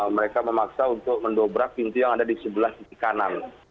mereka memaksa untuk mendobrak pintu yang ada di sebelah kiri kanan